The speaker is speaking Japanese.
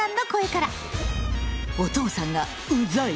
お父さんが「うざい」。